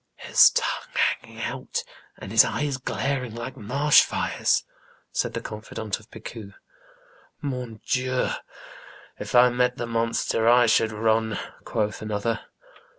" His tongue hanging out, and his eyes glaring like marsh fires !" said the confidant of Picou. " Mon Dieu ! if I met the monster, I should run," quoth another.